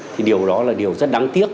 thì điều đó là điều rất đáng tiếc